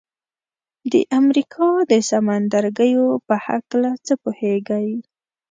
د امریکا د سمندرګیو په هکله څه پوهیږئ؟